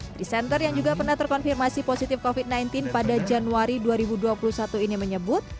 presenter yang juga pernah terkonfirmasi positif covid sembilan belas pada januari dua ribu dua puluh satu ini menyebut